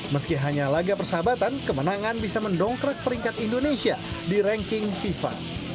meski hanya laga persahabatan kemenangan bisa mendongkrak peringkat indonesia di ranking fifa